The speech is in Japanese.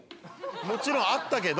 もちろんあったけど。